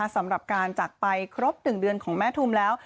สำหรับการจากไปครบ๑เดือนของแม่ทุมแล้ว